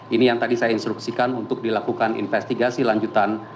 ini yang tadi saya instruksikan untuk dilakukan investigasi lanjutan